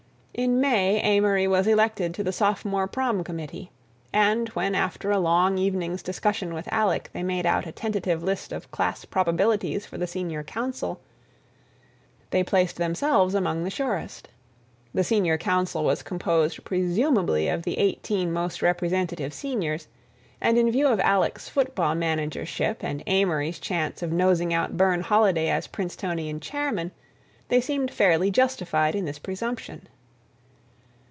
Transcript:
In May Amory was elected to the Sophomore Prom Committee, and when after a long evening's discussion with Alec they made out a tentative list of class probabilities for the senior council, they placed themselves among the surest. The senior council was composed presumably of the eighteen most representative seniors, and in view of Alec's football managership and Amory's chance of nosing out Burne Holiday as Princetonian chairman, they seemed fairly justified in this presumption.